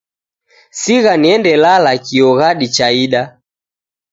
Sigha niende lala kio ghadi chaida.